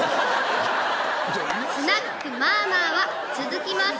［スナックまーまーは続きます］